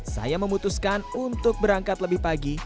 saya memutuskan untuk berangkat lebih pagi